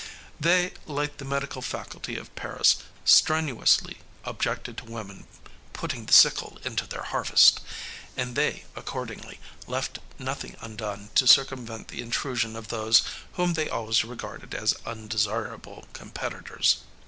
They, like the medical faculty of Paris, strenuously objected to women "putting the sickle into their harvest," and they, accordingly, left nothing undone to circumvent the intrusion of those whom they always regarded as undesirable competitors.